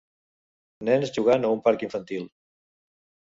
Nens jugant a un parc infantil.